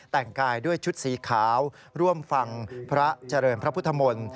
แต่งกายด้วยชุดสีขาวร่วมฟังพระเจริญพระพุทธมนตร์